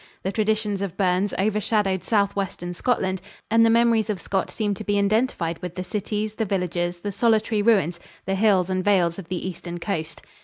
The traditions of Burns overshadowed Southwestern Scotland and the memories of Scott seem to be indentified with the cities, the villages, the solitary ruins, the hills and vales of the eastern coast.